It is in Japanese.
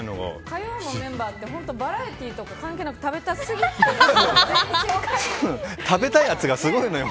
火曜のメンバーってバラエティーとか関係なく食べたい圧がすごいのよ。